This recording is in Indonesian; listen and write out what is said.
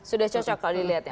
sudah cocok kalau dilihat ya